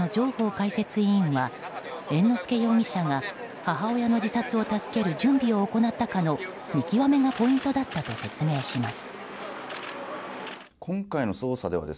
解説委員は猿之助容疑者が母親の自殺を助ける準備を行ったかの見極めがポイントだったと説明します。